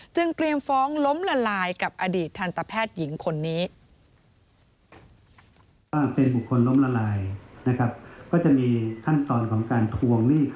เตรียมฟ้องล้มละลายกับอดีตทันตแพทย์หญิงคนนี้